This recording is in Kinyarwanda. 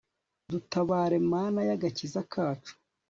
dutabare, mana y'agakiza kacu